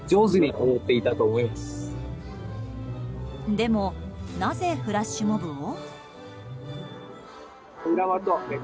でも、なぜフラッシュモブを？